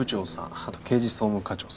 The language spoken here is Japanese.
あと刑事総務課長さん